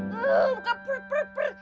bukan pur pur pur